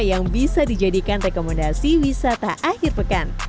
yang bisa dijadikan rekomendasi wisata akhir pekan